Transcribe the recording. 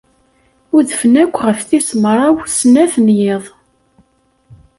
Udfen akk ɣef tis mraw snat n yiḍ.